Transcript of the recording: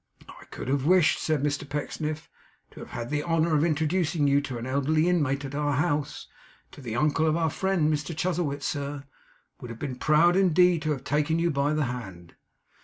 'I could have wished,' said Mr Pecksniff, 'to have had the honour of introducing you to an elderly inmate of our house: to the uncle of our friend. Mr Chuzzlewit, sir, would have been proud indeed to have taken you by the hand.